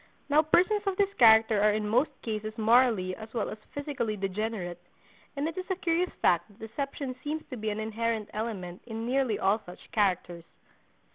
Now persons of this character are in most cases morally as well as physically degenerate, and it is a curious fact that deception seems to be an inherent element in nearly all such characters.